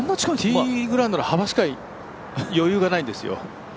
ティーグラウンドの幅しか余裕がないんですよ。